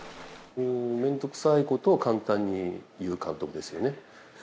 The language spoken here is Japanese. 面倒くさいことを簡単に言う監督ですよね。